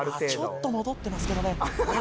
ちょっと戻ってますけどね。